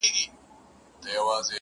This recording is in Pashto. چي پر شرع او قانون ده برابره -